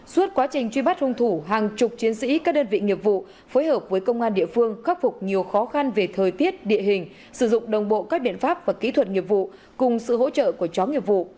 suốt quá trình truy bắt hung thủ hàng chục chiến sĩ các đơn vị nghiệp vụ phối hợp với công an địa phương khắc phục nhiều khó khăn về thời tiết địa hình sử dụng đồng bộ các biện pháp và kỹ thuật nghiệp vụ cùng sự hỗ trợ của chó nghiệp vụ